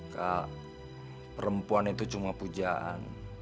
kak perempuan itu cuma pujaan